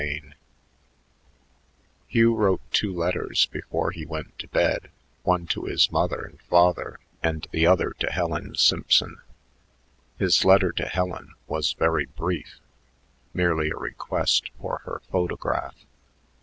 CHAPTER II Hugh wrote two letters before he went to bed, one to his mother and father and the other to Helen Simpson. His letter to Helen was very brief, merely a request for her photograph.